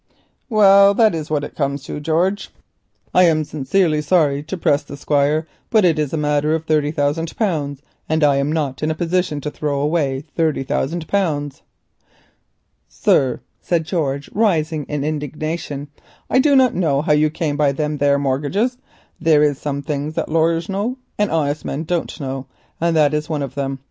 "Well, that is what it comes to, George. I am sincerely sorry to press the Squire, but it's a matter of thirty thousand pounds, and I am not in a position to throw away thirty thousand pounds." "Sir," said George, rising in indignation, "I don't rightly know how you came by them there mortgages. There is some things as laryers know and honest men don't know, and that's one on them.